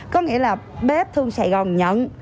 có nghĩa là bếp thương sài gòn nhận